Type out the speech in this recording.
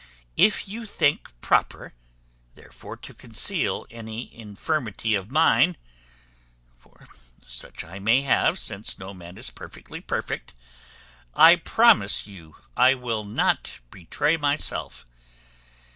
If you think proper, therefore, to conceal any infirmity of mine (for such I may have, since no man is perfectly perfect), I promise you I will not betray myself.